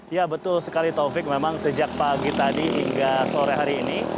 ya betul sekali taufik memang sejak pagi tadi hingga sore hari ini